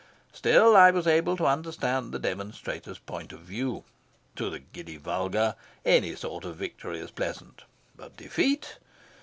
Still, I was able to understand the demonstrators' point of view. To 'the giddy vulgar' any sort of victory is pleasant. But defeat?